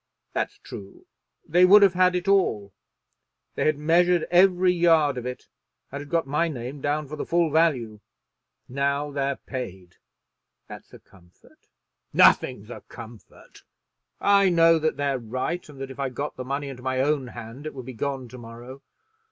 "That's true. They would have had it all. They had measured every yard of it, and had got my name down for the full value. Now they're paid." "That's a comfort." "Nothing's a comfort. I know that they're right, and that if I got the money into my own hand it would be gone to morrow.